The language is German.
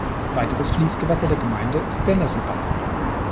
Weiteres Fließgewässer der Gemeinde ist der Nesselbach.